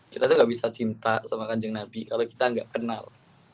kita tuh gak bisa cinta sama kanjeng nabi kalau kita nggak kenal